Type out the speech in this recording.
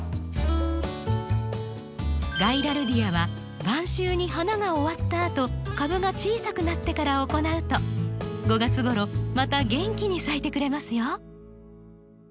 ガイラルディアは晩秋に花が終わったあと株が小さくなってから行うと５月ごろまた元気に咲いてくれますよ。